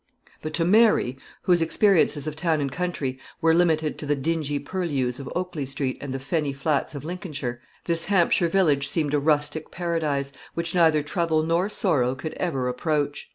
But to Mary, whose experiences of town and country were limited to the dingy purlieus of Oakley Street and the fenny flats of Lincolnshire, this Hampshire village seemed a rustic paradise, which neither trouble nor sorrow could ever approach.